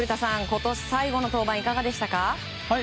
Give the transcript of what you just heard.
今年最後の登板いかがでしたか？